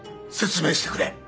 説明してくれ。